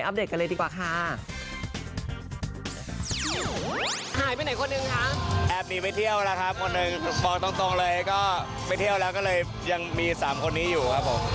บอกตรงเลยก็ไม่เที่ยวแล้วก็เลยยังมี๓คนนี้อยู่ครับผม